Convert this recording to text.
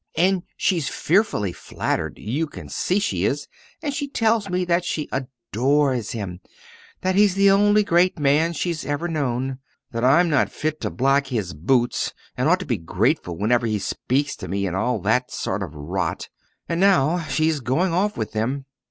And she's fearfully flattered, you can see she is, and she tells me that she adores him that he's the only great man she's ever known that I'm not fit to black his boots, and ought to be grateful whenever he speaks to me and all that sort of rot. And now she's going off with them.